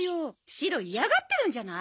シロ嫌がってるんじゃない？